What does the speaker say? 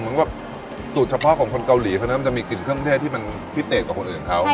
เหมือนกับสูตรเฉพาะของคนเกาหลีเขานั้นมันจะมีกลิ่นเครื่องเทศที่มันพิเศษกว่าคนอื่นเขา